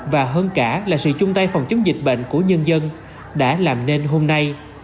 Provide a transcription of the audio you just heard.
và hơn cả là sự chung tay phòng chống dịch bệnh của nhân dân đã làm nên hôm nay